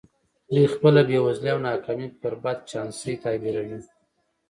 دوی خپله بېوزلي او ناکامي پر بد چانسۍ تعبیروي